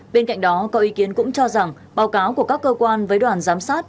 bên cạnh đó có ý kiến cũng cho rằng báo cáo của các cơ quan với đoàn giám sát